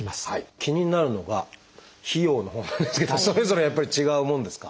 気になるのが費用のほうなんですけどそれぞれやっぱり違うものですか？